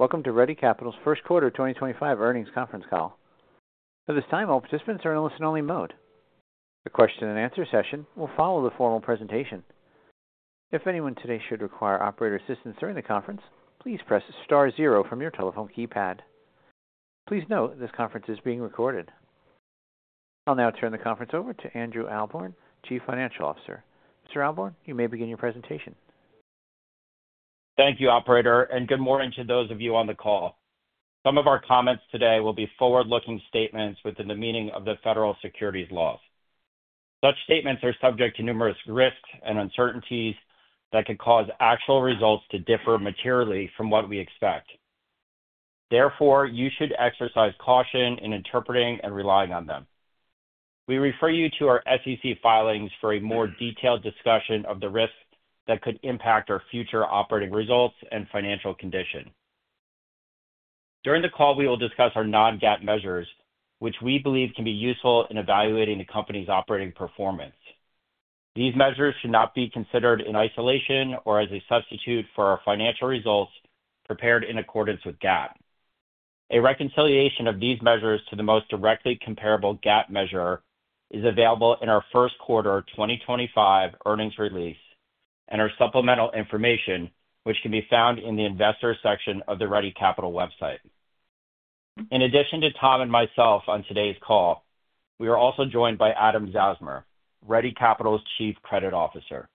Morning. Welcome to Ready Capital's First Quarter 2025 Earnings Conference Call. At this time, all participants are in a listen-only mode. The question-and-answer session will follow the formal presentation. If anyone today should require operator assistance during the conference, please press star zero from your telephone keypad. Please note this conference is being recorded. I'll now turn the conference over to Andrew Ahlborn, Chief Financial Officer. Mr. Ahlborn, you may begin your presentation. Thank you, Operator, and good morning to those of you on the call. Some of our comments today will be forward-looking statements within the meaning of the federal securities laws. Such statements are subject to numerous risks and uncertainties that could cause actual results to differ materially from what we expect. Therefore, you should exercise caution in interpreting and relying on them. We refer you to our SEC filings for a more detailed discussion of the risks that could impact our future operating results and financial condition. During the call, we will discuss our non-GAAP measures, which we believe can be useful in evaluating the company's operating performance. These measures should not be considered in isolation or as a substitute for our financial results prepared in accordance with GAAP. A reconciliation of these measures to the most directly comparable GAAP measure is available in our first quarter 2025 earnings release and our supplemental information, which can be found in the investor section of the Ready Capital website. In addition to Tom and myself on today's call, we are also joined by Adam Zausmer, Ready Capital's Chief Credit Officer.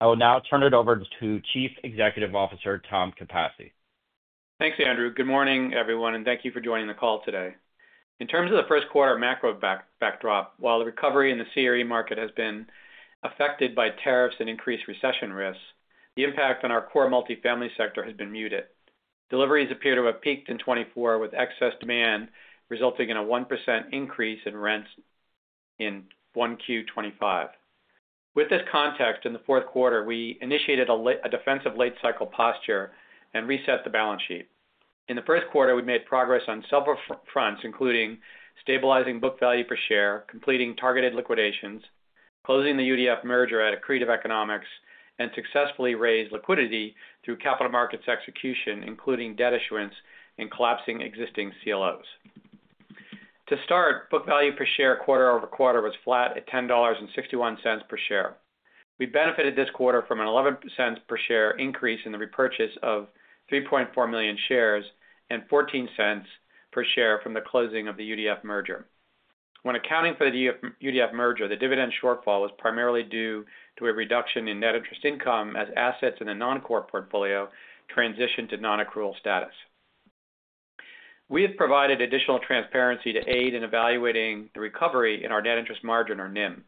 I will now turn it over to Chief Executive Officer Tom Capasse. Thanks, Andrew. Good morning, everyone, and thank you for joining the call today. In terms of the first quarter macro backdrop, while the recovery in the CRE market has been affected by tariffs and increased recession risks, the impact on our core multifamily sector has been muted. Deliveries appear to have peaked in 2024, with excess demand resulting in a 1% increase in rents in 1Q 2025. With this context in the fourth quarter, we initiated a defensive late-cycle posture and reset the balance sheet. In the first quarter, we made progress on several fronts, including stabilizing book value per share, completing targeted liquidations, closing the UDF merger at accretive economics, and successfully raised liquidity through capital markets execution, including debt issuance and collapsing existing CLOs. To start, book value per share quarter over quarter was flat at $10.61 per share. We benefited this quarter from an 11% per share increase in the repurchase of 3.4 million shares and $0.14 per share from the closing of the UDF merger. When accounting for the UDF merger, the dividend shortfall was primarily due to a reduction in net interest income as assets in a non-core portfolio transitioned to non-accrual status. We have provided additional transparency to aid in evaluating the recovery in our net interest margin, or NIM.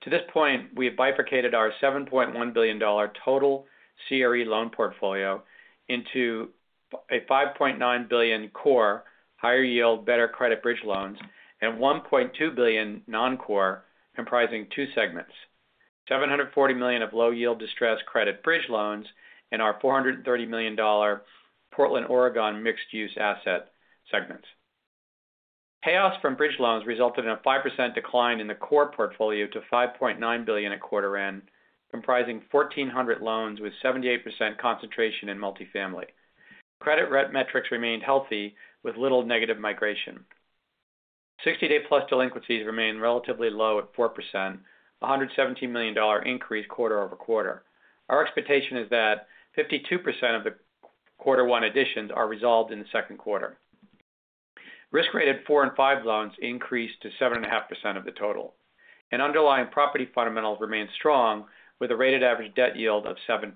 To this point, we have bifurcated our $7.1 billion total CRE loan portfolio into a $5.9 billion core, higher yield, better credit bridge loans, and $1.2 billion non-core, comprising two segments: $740 million of low-yield distressed credit bridge loans and our $430 million Portland, Oregon mixed-use asset segments. Chaos from bridge loans resulted in a 5% decline in the core portfolio to $5.9 billion at quarter end, comprising 1,400 loans with 78% concentration in multifamily. Credit rent metrics remained healthy, with little negative migration. 60-day plus delinquencies remained relatively low at 4%, a $117 million increase quarter-over-quarter. Our expectation is that 52% of the quarter one additions are resolved in the second quarter. Risk-rated four and five loans increased to 7.5% of the total. Underlying property fundamentals remained strong, with a rated average debt yield of 7%.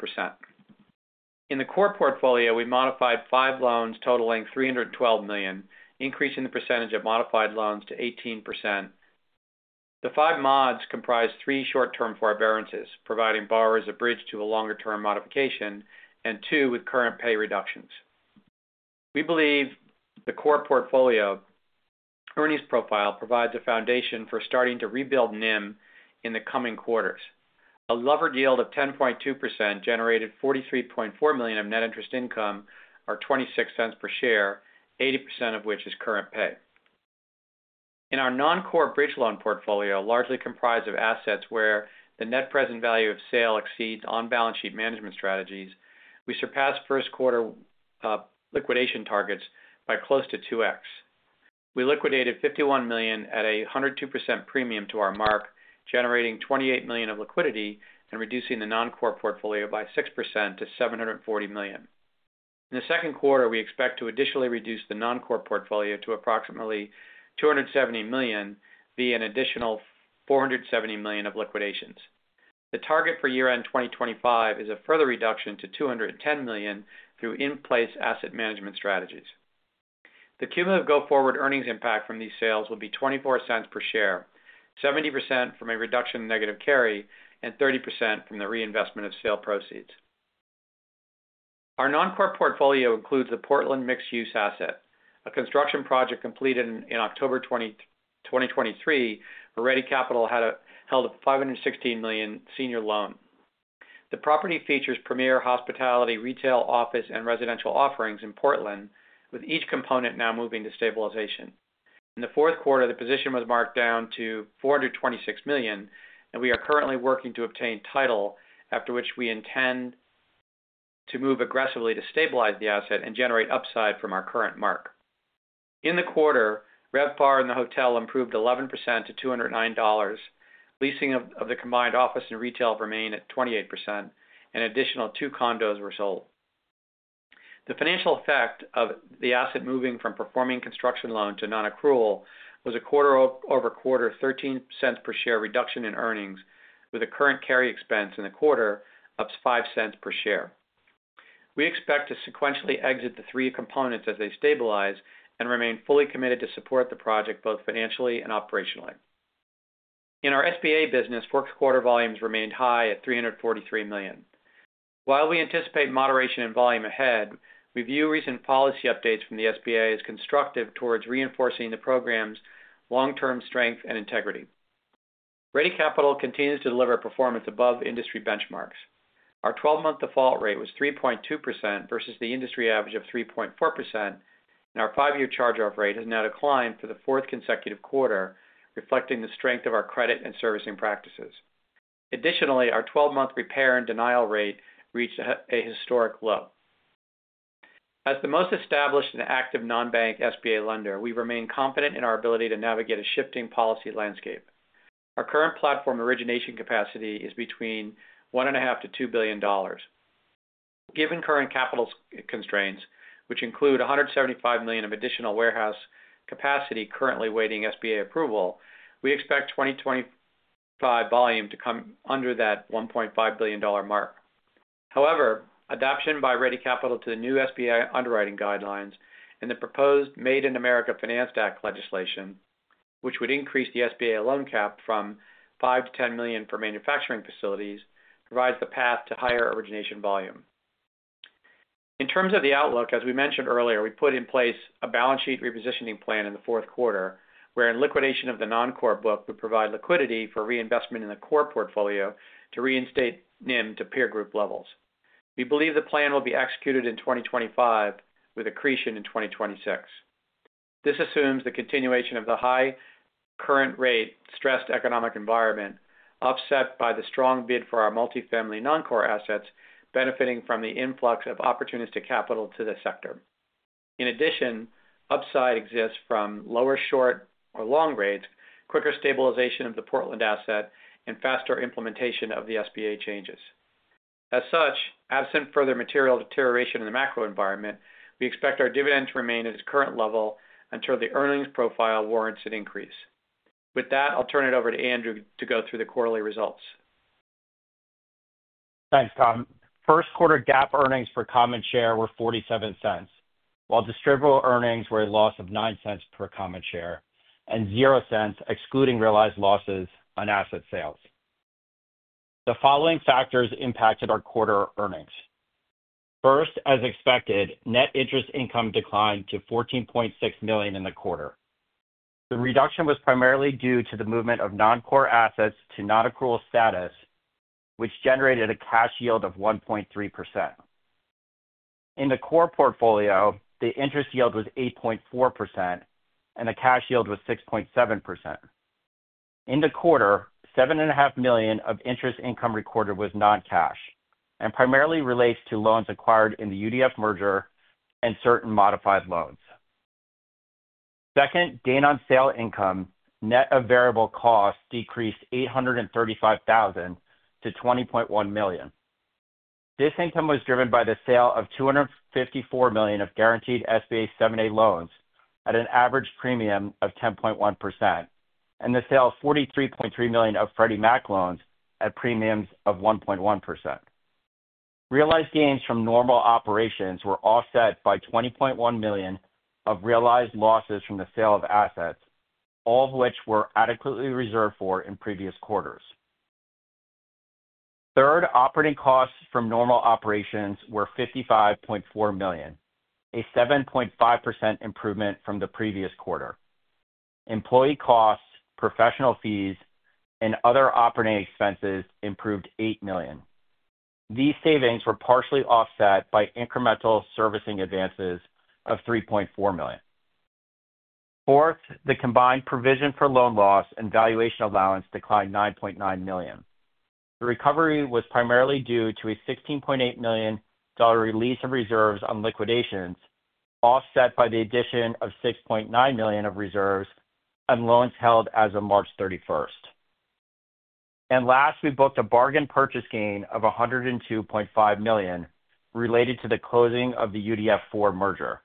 In the core portfolio, we modified five loans totaling $312 million, increasing the percentage of modified loans to 18%. The five mods comprise three short-term forbearances, providing borrowers a bridge to a longer-term modification, and two with current pay reductions. We believe the core portfolio earnings profile provides a foundation for starting to rebuild NIM in the coming quarters. A levered yield of 10.2% generated $43.4 million of net interest income, or $0.26 per share, 80% of which is current pay. In our non-core bridge loan portfolio, largely comprised of assets where the net present value of sale exceeds on-balance sheet management strategies, we surpassed first quarter liquidation targets by close to 2x. We liquidated $51 million at a 102% premium to our mark, generating $28 million of liquidity and reducing the non-core portfolio by 6% to $740 million. In the second quarter, we expect to additionally reduce the non-core portfolio to approximately $270 million via an additional $470 million of liquidations. The target for year-end 2025 is a further reduction to $210 million through in-place asset management strategies. The cumulative go-forward earnings impact from these sales will be $0.24 per share, 70% from a reduction in negative carry, and 30% from the reinvestment of sale proceeds. Our non-core portfolio includes the Portland mixed-use asset. A construction project completed in October 2023, Ready Capital held a $516 million senior loan. The property features premier hospitality, retail, office, and residential offerings in Portland, with each component now moving to stabilization. In the fourth quarter, the position was marked down to $426 million, and we are currently working to obtain title, after which we intend to move aggressively to stabilize the asset and generate upside from our current mark. In the quarter, RevPAR in the hotel improved 11% to $209. Leasing of the combined office and retail remained at 28%, and an additional two condos were sold. The financial effect of the asset moving from performing construction loan to non-accrual was a quarter-over-quarter $0.13 per share reduction in earnings, with a current carry expense in the quarter of $0.05 per share. We expect to sequentially exit the three components as they stabilize and remain fully committed to support the project both financially and operationally. In our SBA business, fourth quarter volumes remained high at $343 million. While we anticipate moderation in volume ahead, we view recent policy updates from the SBA as constructive towards reinforcing the program's long-term strength and integrity. Ready Capital continues to deliver performance above industry benchmarks. Our 12-month default rate was 3.2% versus the industry average of 3.4%, and our five-year charge-off rate has now declined for the fourth consecutive quarter, reflecting the strength of our credit and servicing practices. Additionally, our 12-month repair and denial rate reached a historic low. As the most established and active non-bank SBA lender, we remain confident in our ability to navigate a shifting policy landscape. Our current platform origination capacity is between $1.5 billion-$2 billion. Given current capital constraints, which include $175 million of additional warehouse capacity currently waiting SBA approval, we expect 2025 volume to come under that $1.5 billion mark. However, adoption by Ready Capital to the new SBA underwriting guidelines and the proposed Made in America Finance Act legislation, which would increase the SBA loan cap from $5 million-$10 million for manufacturing facilities, provides the path to higher origination volume. In terms of the outlook, as we mentioned earlier, we put in place a balance sheet repositioning plan in the fourth quarter, where in liquidation of the non-core book, we provide liquidity for reinvestment in the core portfolio to reinstate NIM to peer group levels. We believe the plan will be executed in 2025 with accretion in 2026. This assumes the continuation of the high current-rate stressed economic environment, offset by the strong bid for our multifamily non-core assets, benefiting from the influx of opportunistic capital to the sector. In addition, upside exists from lower short or long rates, quicker stabilization of the Portland asset, and faster implementation of the SBA changes. As such, absent further material deterioration in the macro environment, we expect our dividend to remain at its current level until the earnings profile warrants an increase. With that, I'll turn it over to Andrew to go through the quarterly results. Thanks, Tom. First quarter GAAP earnings per common share were $0.47, while distributable earnings were a loss of $0.09 per common share and $0.00, excluding realized losses on asset sales. The following factors impacted our quarter earnings. First, as expected, net interest income declined to $14.6 million in the quarter. The reduction was primarily due to the movement of non-core assets to non-accrual status, which generated a cash yield of 1.3%. In the core portfolio, the interest yield was 8.4%, and the cash yield was 6.7%. In the quarter, $7.5 million of interest income recorded was non-cash and primarily relates to loans acquired in the UDF merger and certain modified loans. Second, gain on sale income, net of variable costs, decreased $835,000 to $20.1 million. This income was driven by the sale of $254 million of guaranteed SBA 7(a) loans at an average premium of 10.1%, and the sale of $43.3 million of Freddie Mac loans at premiums of 1.1%. Realized gains from normal operations were offset by $20.1 million of realized losses from the sale of assets, all of which were adequately reserved for in previous quarters. Third, operating costs from normal operations were $55.4 million, a 7.5% improvement from the previous quarter. Employee costs, professional fees, and other operating expenses improved $8 million. These savings were partially offset by incremental servicing advances of $3.4 million. Fourth, the combined provision for loan loss and valuation allowance declined $9.9 million. The recovery was primarily due to a $16.8 million release of reserves on liquidations, offset by the addition of $6.9 million of reserves on loans held as of March 31st. Last, we booked a bargain purchase gain of $102.5 million related to the closing of the UDF IV merger.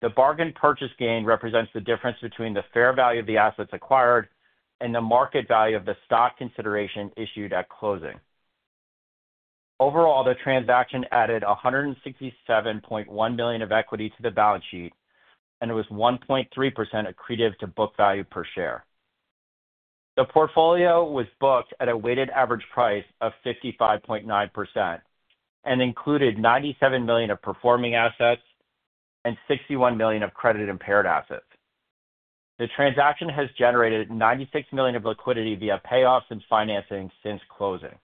The bargain purchase gain represents the difference between the fair value of the assets acquired and the market value of the stock consideration issued at closing. Overall, the transaction added $167.1 million of equity to the balance sheet, and it was 1.3% accretive to book value per share. The portfolio was booked at a weighted average price of 55.9% and included $97 million of performing assets and $61 million of credit impaired assets. The transaction has generated $96 million of liquidity via payoffs and financing since closing.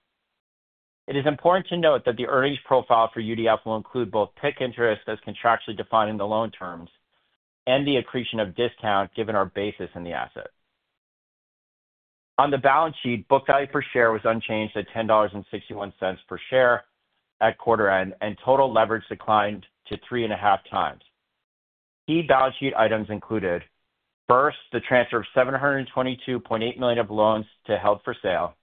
It is important to note that the earnings profile for UDF will include both PIC interest as contractually defined in the loan terms and the accretion of discount given our basis in the asset. On the balance sheet, book value per share was unchanged at $10.61 per share at quarter end, and total leverage declined to 3.5x. Key balance sheet items included first, the transfer of $722.8 million of loans to held for sale.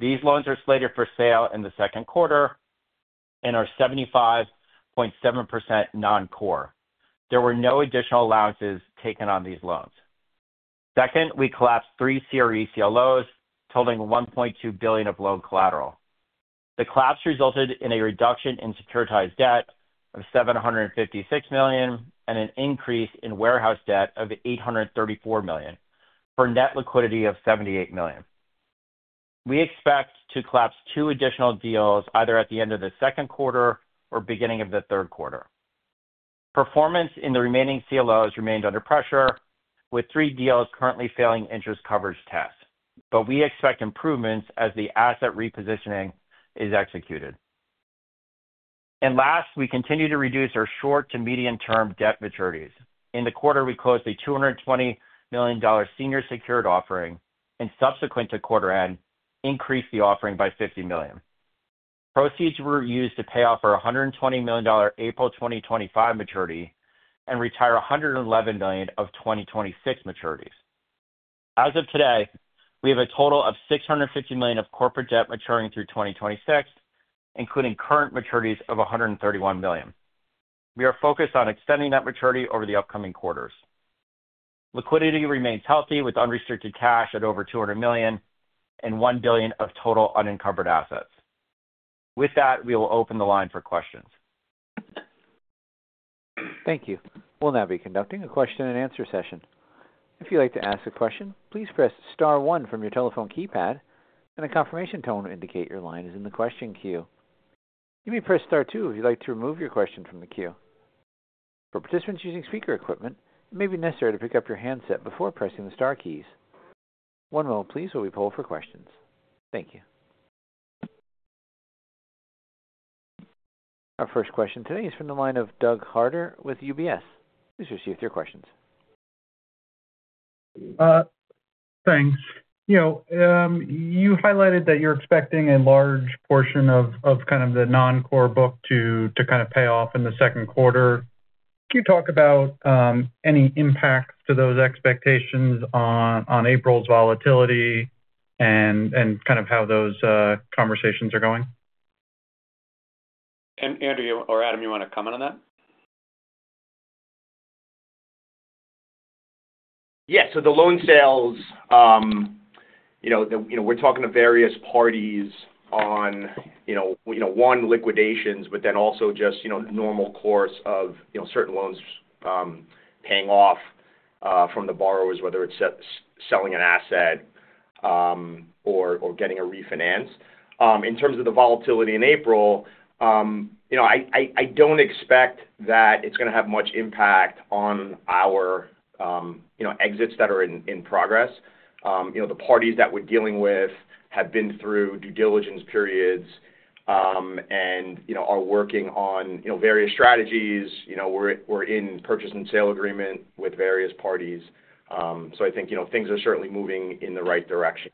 These loans are slated for sale in the second quarter and are 75.7% non-core. There were no additional allowances taken on these loans. Second, we collapsed three CRE CLOs, totaling $1.2 billion of loan collateral. The collapse resulted in a reduction in securitized debt of $756 million and an increase in warehouse debt of $834 million for net liquidity of $78 million. We expect to collapse two additional deals, either at the end of the second quarter or beginning of the third quarter. Performance in the remaining CLOs remained under pressure, with three deals currently failing interest coverage tests, but we expect improvements as the asset repositioning is executed. We continue to reduce our short to medium-term debt maturities. In the quarter, we closed a $220 million senior secured offering, and subsequent to quarter end, increased the offering by $50 million. Proceeds were used to pay off our $120 million April 2025 maturity and retire $111 million of 2026 maturities. As of today, we have a total of $650 million of corporate debt maturing through 2026, including current maturities of $131 million. We are focused on extending that maturity over the upcoming quarters. Liquidity remains healthy with unrestricted cash at over $200 million and $1 billion of total unencumbered assets. With that, we will open the line for questions. Thank you. We'll now be conducting a question-and-answer session. If you'd like to ask a question, please press star one from your telephone keypad, and a confirmation tone will indicate your line is in the question queue. You may press star two if you'd like to remove your question from the queue. For participants using speaker equipment, it may be necessary to pick up your handset before pressing the star keys. One moment, please, while we pull for questions. Thank you. Our first question today is from the line of Doug Harter with UBS. Please proceed with your questions. Thanks. You highlighted that you're expecting a large portion of kind of the non-core book to kind of pay off in the second quarter. Can you talk about any impact to those expectations on April's volatility and kind of how those conversations are going? Andrew or Adam, you want to comment on that? Yes. The loan sales, we're talking to various parties on, one, liquidations, but then also just normal course of certain loans paying off from the borrowers, whether it's selling an asset or getting a refinance. In terms of the volatility in April, I don't expect that it's going to have much impact on our exits that are in progress. The parties that we're dealing with have been through due diligence periods and are working on various strategies. We're in purchase and sale agreement with various parties. I think things are certainly moving in the right direction,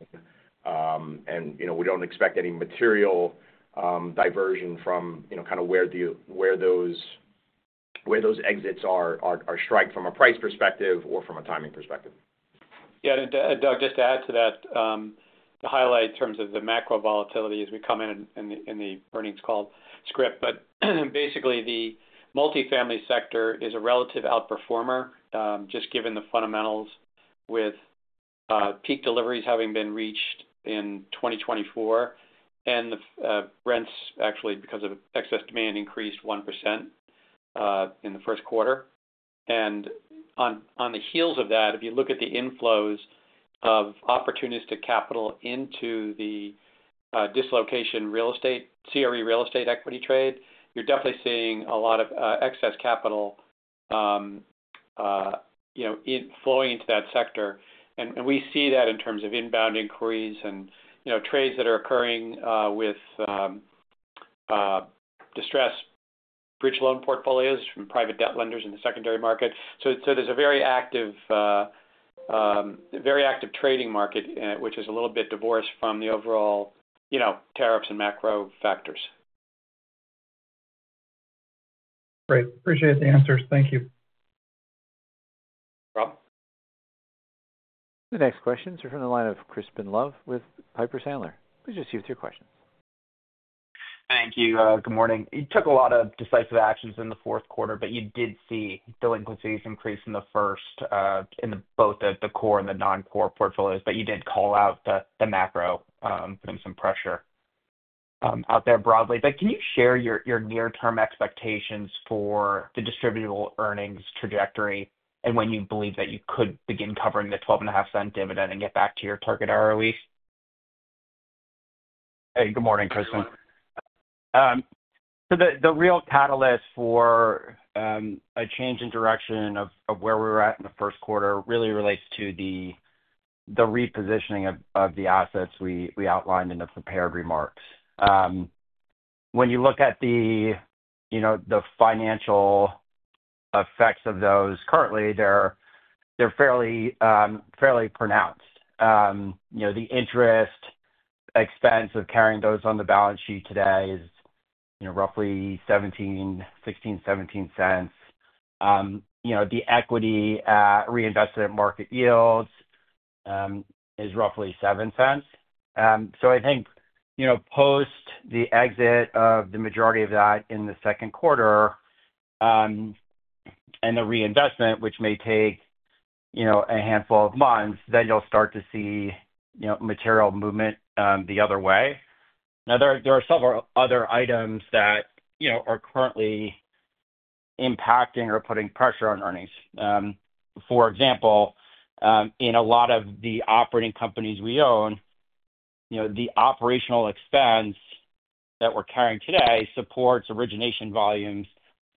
and we don't expect any material diversion from kind of where those exits are striked from a price perspective or from a timing perspective. Yeah. Doug, just to add to that, the highlight in terms of the macro volatility as we come in in the earnings call script, but basically, the multifamily sector is a relative outperformer just given the fundamentals with peak deliveries having been reached in 2024, and the rents actually, because of excess demand, increased 1% in the first quarter. On the heels of that, if you look at the inflows of opportunistic capital into the dislocation real estate, CRE real estate equity trade, you're definitely seeing a lot of excess capital flowing into that sector. We see that in terms of inbound inquiries and trades that are occurring with distressed bridge loan portfolios from private debt lenders in the secondary market. There is a very active trading market, which is a little bit divorced from the overall tariffs and macro factors. Great. Appreciate the answers. Thank you. No problem. The next questions are from the line of Crispin Love with Piper Sandler. Please proceed with your questions. Thank you. Good morning. You took a lot of decisive actions in the fourth quarter, but you did see delinquencies increase in the first in both the core and the non-core portfolios, but you did call out the macro, putting some pressure out there broadly. Can you share your near-term expectations for the distributable earnings trajectory and when you believe that you could begin covering the $0.125 dividend and get back to your target ROEs? Hey, good morning, Crispin. The real catalyst for a change in direction of where we were at in the first quarter really relates to the repositioning of the assets we outlined in the prepared remarks. When you look at the financial effects of those currently, they're fairly pronounced. The interest expense of carrying those on the balance sheet today is roughly $0.16-$0.17. The equity reinvested at market yields is roughly $0.07. I think post the exit of the majority of that in the second quarter and the reinvestment, which may take a handful of months, you'll start to see material movement the other way. There are several other items that are currently impacting or putting pressure on earnings. For example, in a lot of the operating companies we own, the operational expense that we're carrying today supports origination volumes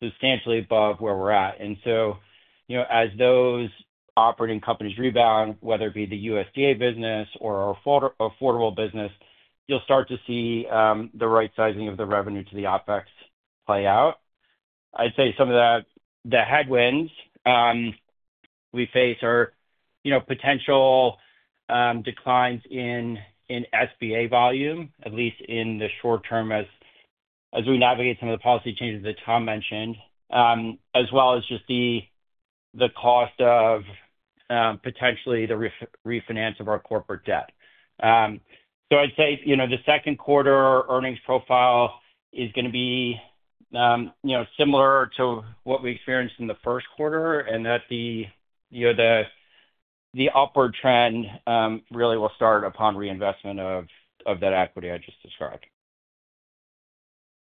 substantially above where we're at. As those operating companies rebound, whether it be the USDA business or our affordable business, you'll start to see the right sizing of the revenue to the OpEx play out. I'd say some of the headwinds we face are potential declines in SBA volume, at least in the short term as we navigate some of the policy changes that Tom mentioned, as well as just the cost of potentially the refinance of our corporate debt. I'd say the second quarter earnings profile is going to be similar to what we experienced in the first quarter and that the upward trend really will start upon reinvestment of that equity I just described.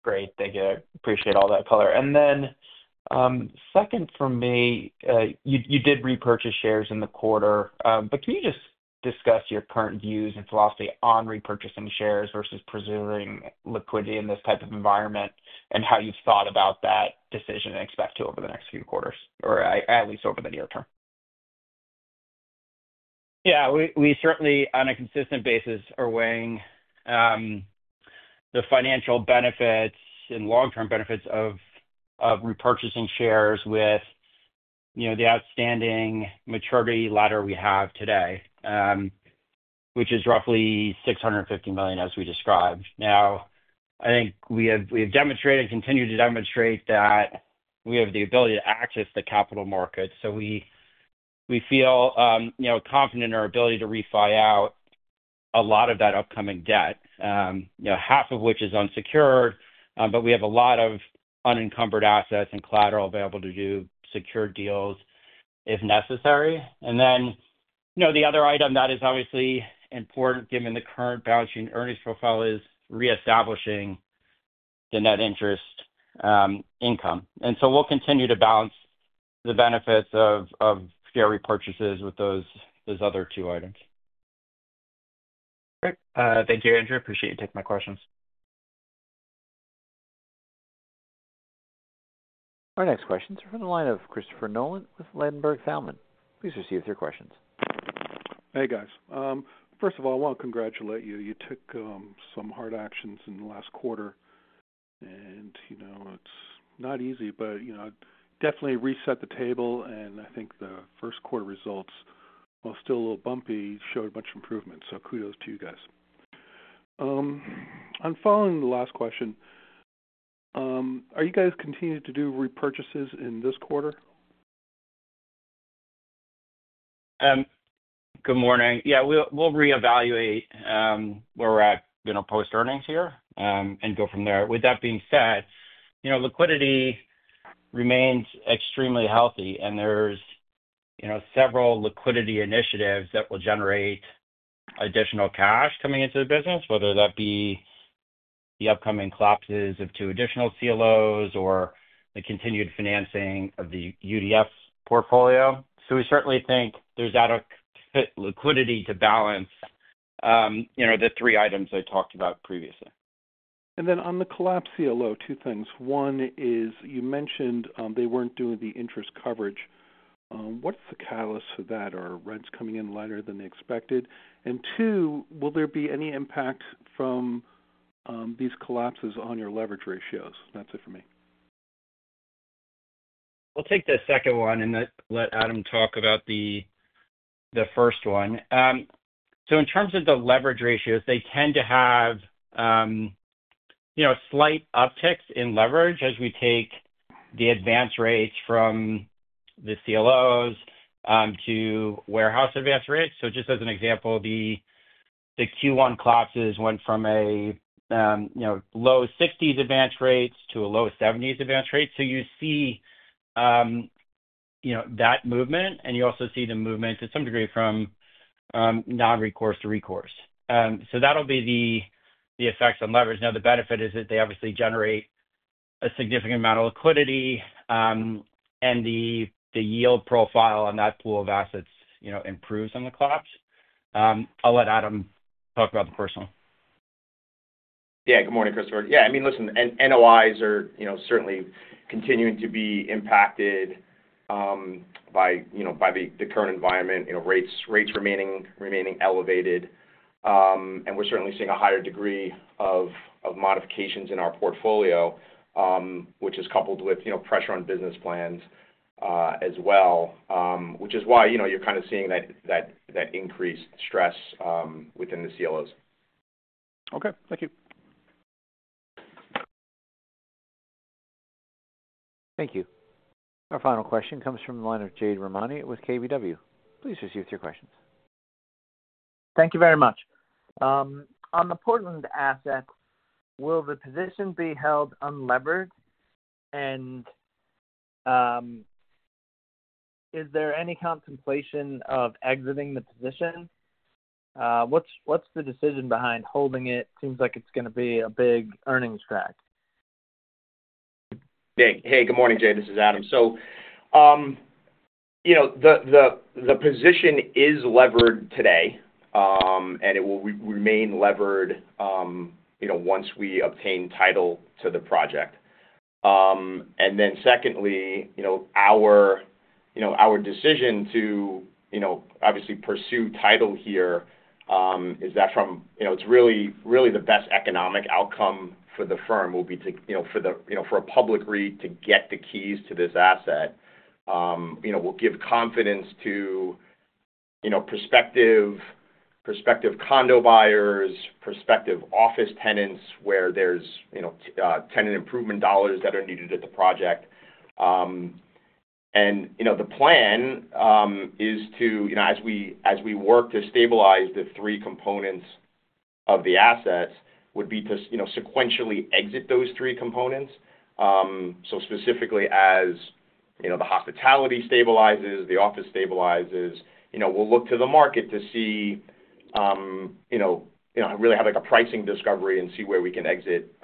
Great. Thank you. I appreciate all that color. Then second for me, you did repurchase shares in the quarter, but can you just discuss your current views and philosophy on repurchasing shares versus preserving liquidity in this type of environment and how you've thought about that decision and expect to over the next few quarters, or at least over the near term? Yeah. We certainly, on a consistent basis, are weighing the financial benefits and long-term benefits of repurchasing shares with the outstanding maturity ladder we have today, which is roughly $650 million, as we described. Now, I think we have demonstrated and continue to demonstrate that we have the ability to access the capital market. We feel confident in our ability to refi out a lot of that upcoming debt, half of which is unsecured, but we have a lot of unencumbered assets and collateral available to do secure deals if necessary. The other item that is obviously important given the current balance sheet and earnings profile is reestablishing the net interest income. We will continue to balance the benefits of share repurchases with those other two items. Perfect. Thank you, Andrew. Appreciate you taking my questions. Our next questions are from the line of Christopher Nolan with Ladenburg Thalmann. Please proceed with your questions. Hey, guys. First of all, I want to congratulate you. You took some hard actions in the last quarter, and it's not easy, but definitely reset the table. I think the first quarter results, while still a little bumpy, showed a bunch of improvements. Kudos to you guys. On following the last question, are you guys continuing to do repurchases in this quarter? Good morning. Yeah. We'll reevaluate where we're at post-earnings here and go from there. With that being said, liquidity remains extremely healthy, and there's several liquidity initiatives that will generate additional cash coming into the business, whether that be the upcoming collapses of two additional CLOs or the continued financing of the UDF portfolio. We certainly think there's adequate liquidity to balance the three items I talked about previously. On the collapse CLO, two things. One is you mentioned they were not doing the interest coverage. What is the catalyst for that? Are rents coming in lighter than they expected? Will there be any impact from these collapses on your leverage ratios? That is it for me. We'll take the second one and let Adam talk about the first one. In terms of the leverage ratios, they tend to have slight upticks in leverage as we take the advance rates from the CLOs to warehouse advance rates. Just as an example, the Q1 collapses went from a low 60s advance rates to a low 70s advance rate. You see that movement, and you also see the movement to some degree from non-recourse to recourse. That will be the effects on leverage. The benefit is that they obviously generate a significant amount of liquidity, and the yield profile on that pool of assets improves on the collapse. I'll let Adam talk about the first one. Yeah. Good morning, Christopher. Yeah. I mean, listen, NOIs are certainly continuing to be impacted by the current environment, rates remaining elevated. And we're certainly seeing a higher degree of modifications in our portfolio, which is coupled with pressure on business plans as well, which is why you're kind of seeing that increased stress within the CLOs. Okay. Thank you. Thank you. Our final question comes from the line of Jade Rahmani with KBW. Please proceed with your questions. Thank you very much. On the Portland assets, will the position be held unlevered, and is there any contemplation of exiting the position? What's the decision behind holding it? Seems like it's going to be a big earnings track. Hey. Good morning, Jade. This is Adam. The position is levered today, and it will remain levered once we obtain title to the project. Secondly, our decision to obviously pursue title here is that it's really the best economic outcome for the firm. It will be for a public REIT to get the keys to this asset. We'll give confidence to prospective condo buyers, prospective office tenants where there's tenant improvement dollars that are needed at the project. The plan is to, as we work to stabilize the three components of the assets, sequentially exit those three components. Specifically, as the hospitality stabilizes, the office stabilizes, we'll look to the market to see, really have a pricing discovery and see where we can exit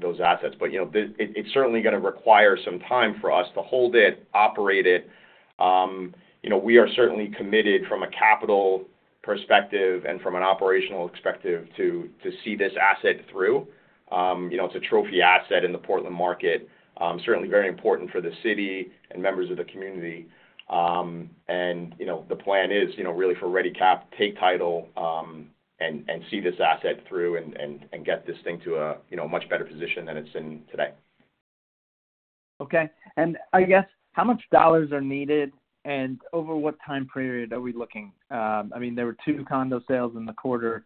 those assets. It's certainly going to require some time for us to hold it, operate it. We are certainly committed from a capital perspective and from an operational perspective to see this asset through. It's a trophy asset in the Portland market, certainly very important for the city and members of the community. The plan is really for ReadyCap to take title and see this asset through and get this thing to a much better position than it's in today. Okay. I guess, how much dollars are needed, and over what time period are we looking? I mean, there were two condo sales in the quarter.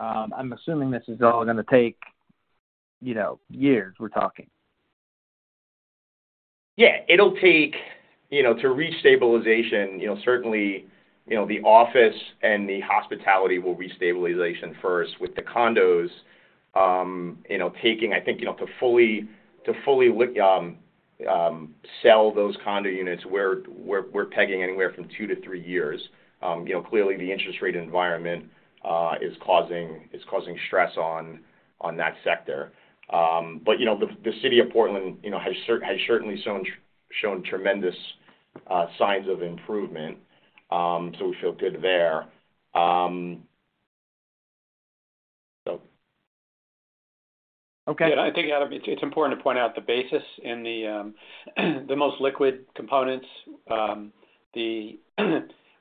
I'm assuming this is all going to take years. We're talking. Yeah. It'll take to re-stabilization, certainly the office and the hospitality will re-stabilization first with the condos taking, I think, to fully sell those condo units, we're pegging anywhere from two to three years. Clearly, the interest rate environment is causing stress on that sector. The city of Portland has certainly shown tremendous signs of improvement, so we feel good there. Okay. Yeah. I think, Adam, it's important to point out the basis in the most liquid components. The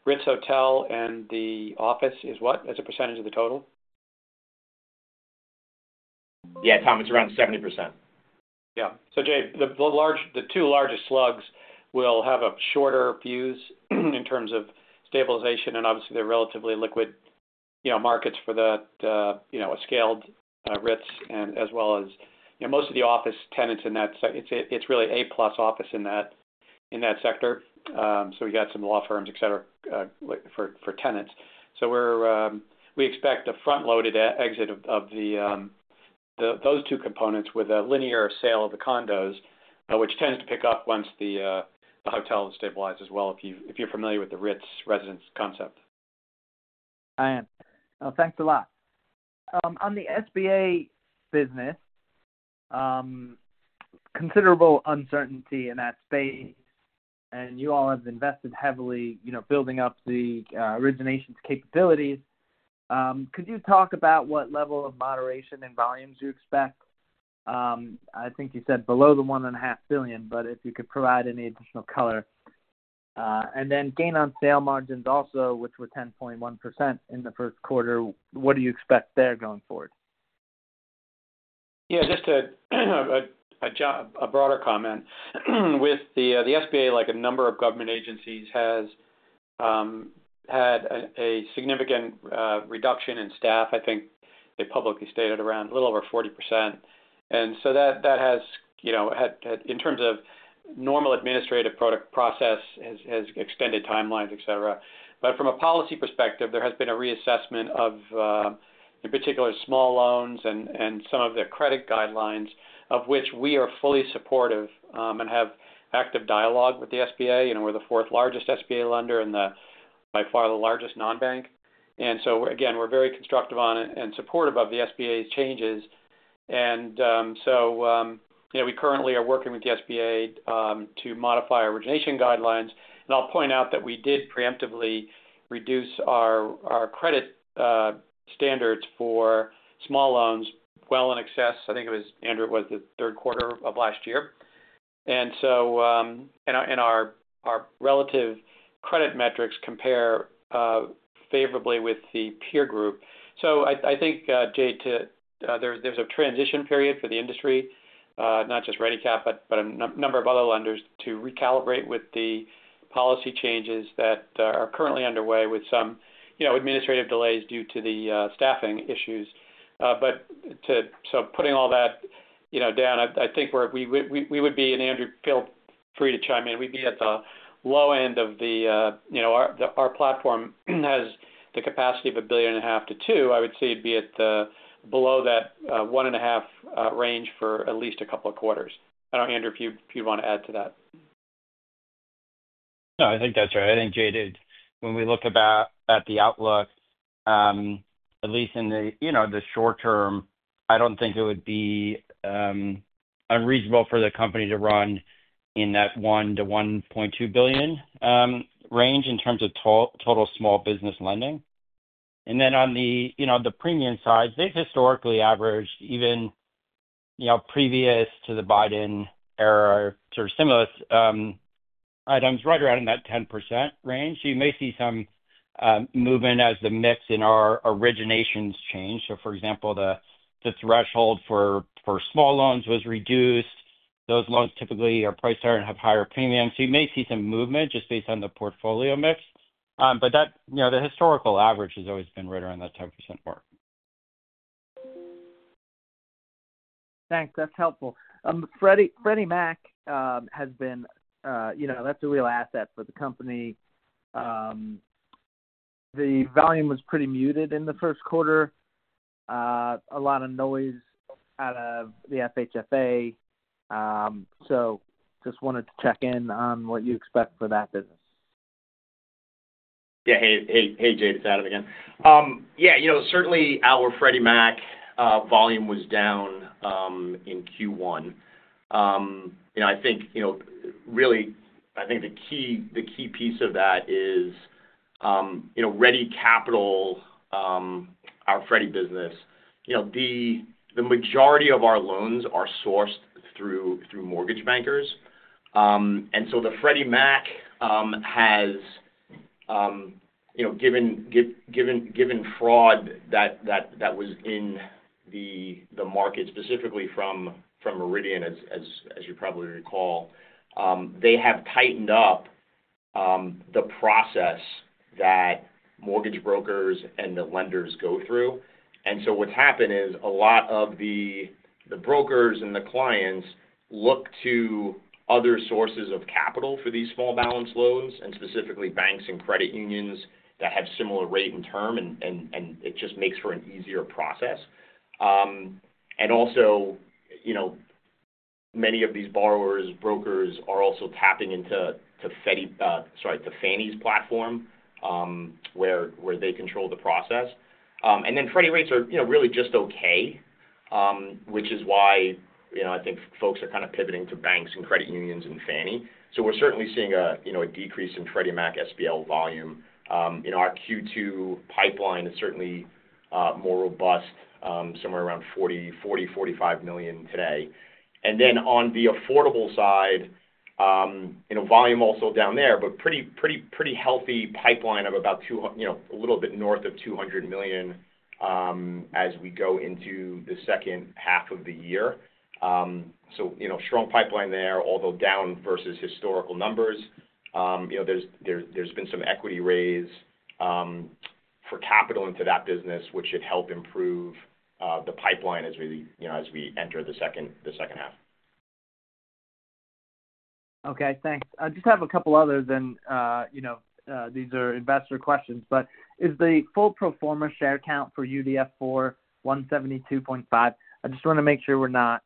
Ritz Hotel and the office is what? Is it a percentage of the total? Yeah. Tom, it's around 70%. Yeah. Jade, the two largest slugs will have shorter views in terms of stabilization, and obviously, they're relatively liquid markets for a scaled Ritz as well as most of the office tenants in that. It's really A-plus office in that sector. We got some law firms, etc., for tenants. We expect a front-loaded exit of those two components with a linear sale of the condos, which tends to pick up once the hotel stabilizes, if you're familiar with the Ritz residence concept. I am. Thanks a lot. On the SBA business, considerable uncertainty in that space, and you all have invested heavily building up the origination's capabilities. Could you talk about what level of moderation in volumes you expect? I think you said below the $1.5 billion, but if you could provide any additional color. Gain on sale margins also, which were 10.1% in the first quarter, what do you expect there going forward? Yeah. Just a broader comment. With the SBA, a number of government agencies has had a significant reduction in staff. I think they publicly stated around a little over 40%. That has, in terms of normal administrative process, extended timelines, etc. From a policy perspective, there has been a reassessment of, in particular, small loans and some of their credit guidelines, of which we are fully supportive and have active dialogue with the SBA. We're the fourth largest SBA lender and by far the largest non-bank. We are very constructive on it and supportive of the SBA's changes. We currently are working with the SBA to modify origination guidelines. I'll point out that we did preemptively reduce our credit standards for small loans well in excess. I think it was, Andrew, it was the third quarter of last year. Our relative credit metrics compare favorably with the peer group. I think, Jade, there's a transition period for the industry, not just ReadyCap, but a number of other lenders to recalibrate with the policy changes that are currently underway with some administrative delays due to the staffing issues. Putting all that down, I think we would be—and Andrew, feel free to chime in—we'd be at the low end of the—our platform has the capacity of $1.5 billion-$2 billion. I would say it'd be below that $1.5 billion range for at least a couple of quarters. I don't know, Andrew, if you'd want to add to that. No, I think that's right. I think, Jade, when we look at the outlook, at least in the short term, I don't think it would be unreasonable for the company to run in that $1 billion-$1.2 billion range in terms of total small business lending. In terms of the premium side, they've historically averaged, even previous to the Biden era or similar items, right around in that 10% range. You may see some movement as the mix in our originations change. For example, the threshold for small loans was reduced. Those loans typically are priced higher and have higher premiums. You may see some movement just based on the portfolio mix. The historical average has always been right around that 10% mark. Thanks. That's helpful. Freddie Mac has been—that's a real asset for the company. The volume was pretty muted in the first quarter. A lot of noise out of the FHFA. Just wanted to check in on what you expect for that business. Yeah. Hey, Jade, it's Adam again. Yeah. Certainly, our Freddie Mac volume was down in Q1. I think really, I think the key piece of that is Ready Capital, our Freddie business. The majority of our loans are sourced through mortgage bankers. Freddie Mac has given fraud that was in the market, specifically from Meridian, as you probably recall, they have tightened up the process that mortgage brokers and the lenders go through. What's happened is a lot of the brokers and the clients look to other sources of capital for these small balance loans, and specifically banks and credit unions that have similar rate and term, and it just makes for an easier process. Also, many of these borrowers, brokers are also tapping into Fannie's platform where they control the process. Freddie rates are really just okay, which is why I think folks are kind of pivoting to banks and credit unions and Fannie. We are certainly seeing a decrease in Freddie Mac SBL volume. Our Q2 pipeline is certainly more robust, somewhere around $40 million-$45 million today. On the affordable side, volume is also down there, but there is a pretty healthy pipeline of about a little bit north of $200 million as we go into the second half of the year. Strong pipeline there, although down versus historical numbers. There has been some equity raise for capital into that business, which should help improve the pipeline as we enter the second half. Okay. Thanks. I just have a couple others, and these are investor questions. Is the full pro forma share count for UDF IV 172.5? I just want to make sure we're not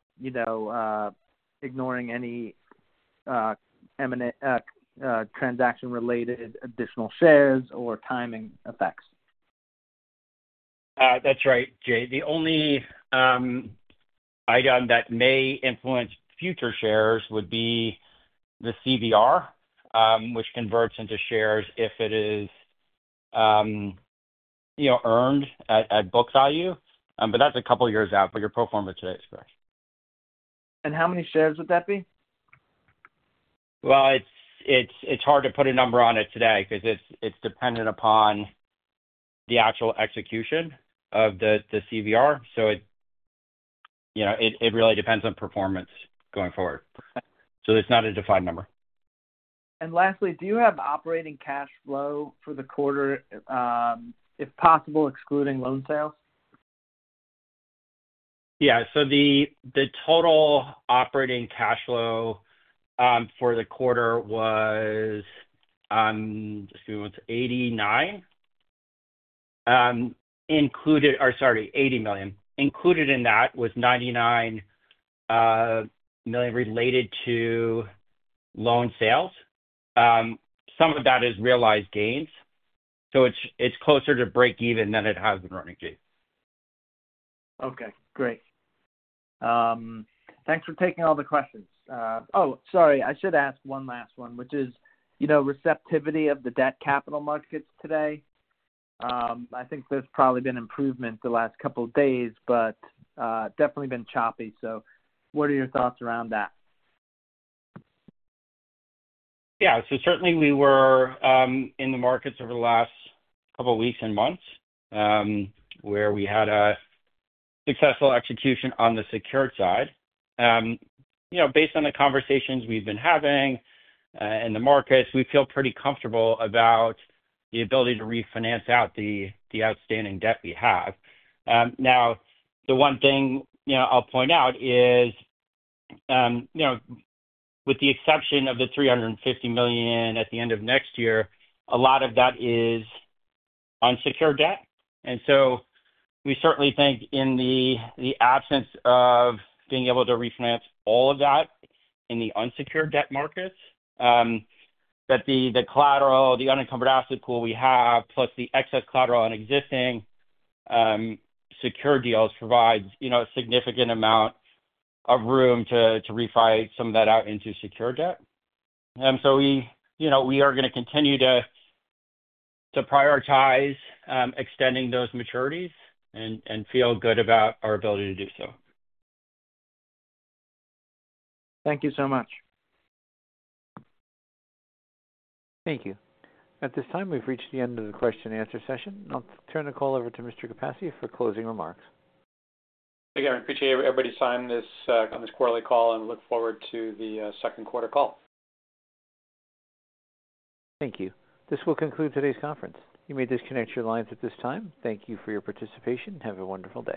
ignoring any transaction-related additional shares or timing effects. That's right, Jade. The only item that may influence future shares would be the CVR, which converts into shares if it is earned at book value. That is a couple of years out, but your pro forma today is correct. How many shares would that be? It's hard to put a number on it today because it's dependent upon the actual execution of the CVR. So it really depends on performance going forward. It's not a defined number. Lastly, do you have operating cash flow for the quarter, if possible, excluding loan sales? Yeah. So the total operating cash flow for the quarter was, excuse me, was $89 million. Sorry, $80 million. Included in that was $99 million related to loan sales. Some of that is realized gains. So it's closer to break-even than it has been running, Jade. Okay. Great. Thanks for taking all the questions. Oh, sorry. I should ask one last one, which is receptivity of the debt capital markets today. I think there's probably been improvement the last couple of days, but definitely been choppy. What are your thoughts around that? Yeah. Certainly, we were in the markets over the last couple of weeks and months where we had a successful execution on the secured side. Based on the conversations we've been having in the markets, we feel pretty comfortable about the ability to refinance out the outstanding debt we have. Now, the one thing I'll point out is, with the exception of the $350 million at the end of next year, a lot of that is unsecured debt. We certainly think in the absence of being able to refinance all of that in the unsecured debt markets, that the collateral, the unencumbered asset pool we have, plus the excess collateral on existing secured deals provides a significant amount of room to refinance some of that out into secured debt. We are going to continue to prioritize extending those maturities and feel good about our ability to do so. Thank you so much. Thank you. At this time, we've reached the end of the question-and-answer session. I'll turn the call over to Mr. Capasse for closing remarks. Again, I appreciate everybody signing this quarterly call, and look forward to the second quarter call. Thank you. This will conclude today's conference. You may disconnect your lines at this time. Thank you for your participation. Have a wonderful day.